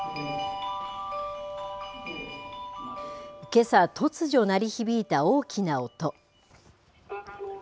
けさ、突如鳴り響いた大きな音。